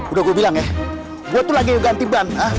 udah gue bilang ya gue tuh lagi ganti ban